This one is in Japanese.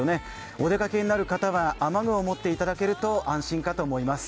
お出かけをする方は雨具を持っていただけると安心かと思います。